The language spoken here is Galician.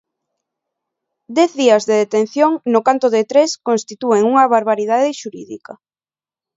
Dez días de detención, no canto de tres, constitúen unha barbaridade xurídica.